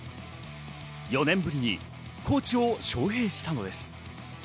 ４年ぶりにコーチを招へいしたのです。